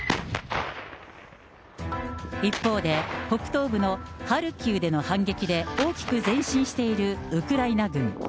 一方で、北東部のハルキウでの反撃で、大きく前進しているウクライナ軍。